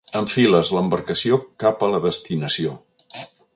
Enfiles l'embarcació cap a la destinació.